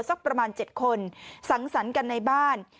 สักประมาณ๗คนสังสรรค์กันในบ้าน